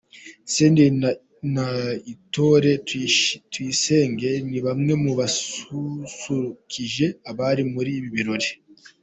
Senderi na Intore Tuyisenge ni bamwe mu basusurukije abari muri ibi birori.